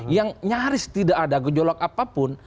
yang nyaris tidak ada gejolak apapun